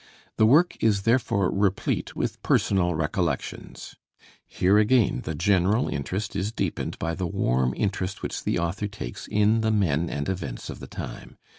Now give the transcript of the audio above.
The work is therefore replete with personal recollections. Here again the general interest is deepened by the warm interest which the author takes in the men and events of the time.